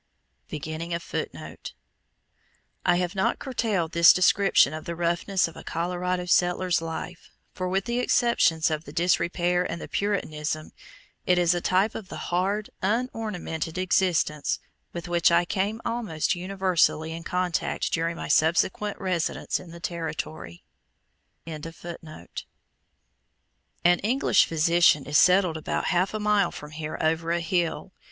I have not curtailed this description of the roughness of a Colorado settler's life, for, with the exceptions of the disrepair and the Puritanism, it is a type of the hard, unornamented existence with which I came almost universally in contact during my subsequent residence in the Territory. An English physician is settled about half a mile from here over a hill.